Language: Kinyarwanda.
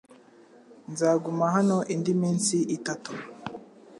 Nzaguma hano indi minsi itatu.